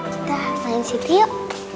kita main di situ yuk